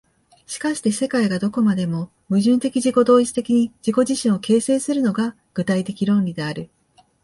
しかして世界がどこまでも矛盾的自己同一的に自己自身を形成するのが、具体的論理である。